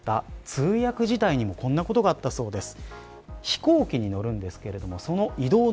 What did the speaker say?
通訳時代にもこんなことがあったそうです。